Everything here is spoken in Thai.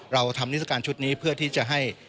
เราทำนิสการชุดนี้เพื่อที่จะให้